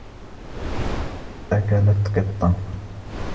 اكلت قطا.